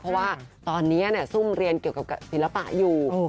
เพราะว่าตอนนี้ซุ่มเรียนเกี่ยวกับศิลปะอยู่